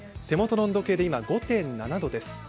手元の温度計で今、５．７度です。